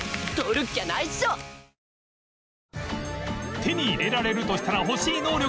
手に入れられるとしたら欲しい能力